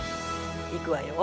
いくわよ。